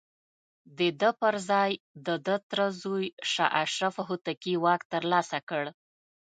د ده پر ځاى د ده تره زوی شاه اشرف هوتکي واک ترلاسه کړ.